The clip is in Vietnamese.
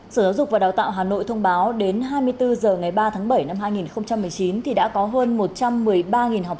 sở giáo dục và đào tạo hà nội thông báo đến hai mươi bốn h ngày ba tháng bảy năm hai nghìn một mươi chín thì đã có hơn một trăm một mươi ba học sinh